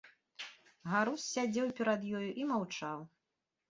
Гарус сядзеў перад ёю і маўчаў.